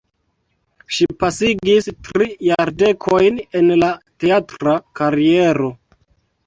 Ŝi pasigis tri jardekojn en la teatra kariero.